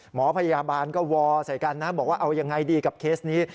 หมอพยาบาลก็วอใส่กันนะบอกว่าเอายังไงดีกับเคสนี้